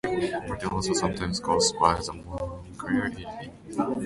Martin also sometimes goes by the moniker "Illy B".